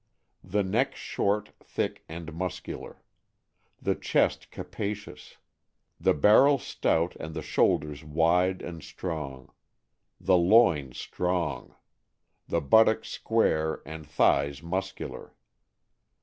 The neck short, thick, and muscular. The chest capacious. The barrel stout, and the shoulders wide and strong. The loins strong. The buttocks square, and thighs muscular.